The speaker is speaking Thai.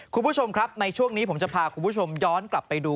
คุณผู้ชมครับในช่วงนี้ผมจะพาคุณผู้ชมย้อนกลับไปดู